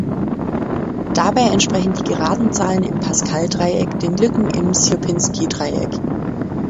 Dabei entsprechen die geraden Zahlen im Pascal-Dreieck den Lücken im Sierpinski-Dreieck.